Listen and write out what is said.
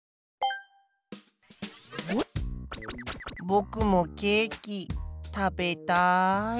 ぼくもケーキ食べたい。